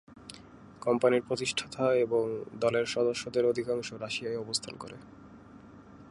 কোম্পানির প্রতিষ্ঠাতা এবং দলের সদস্যদের অধিকাংশ রাশিয়ায় অবস্থান করে।